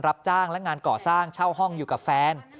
รับจ้างและงานก่อสร้างเช่าห้องอยู่กับแฟน